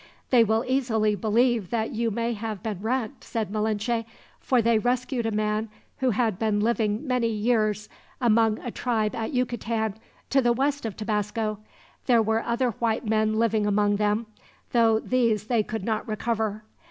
"They will easily believe that you may have been wrecked," said Malinche; "for they rescued a man who had been living many years among a tribe at Yucatan, to the west of Tabasco. There were other white men living among them, though these they could not recover.